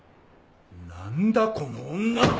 何だこの女！